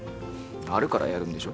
あるからやるんでしょ。